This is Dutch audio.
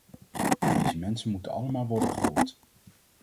Deze mensen moeten allemaal worden gevoed.